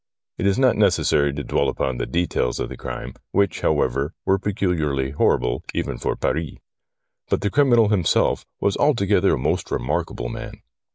It is not necessary to dwell upon the details of the crime, which, however, were peculiarly horrible even for Paris ; but the criminal himself was altogether a most remarkable man.